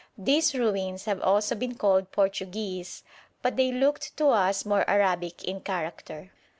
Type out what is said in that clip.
These ruins have also been called Portuguese, but they looked to us more Arabic in character.